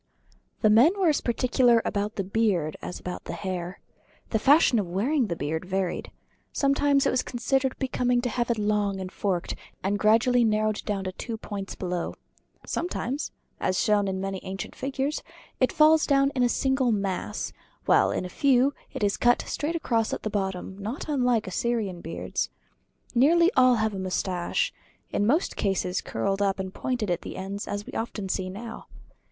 The men were as particular about the beard as about the hair. The fashion of wearing the beard varied. Sometimes it was considered becoming to have it long and forked, and gradually narrowed to two points below. Sometimes as shown in many ancient figures it falls down in a single mass; while in a few it is cut straight across at bottom not unlike Assyrian beards. Nearly all have a mustache, in most cases curled up and pointed at the ends as we often see now.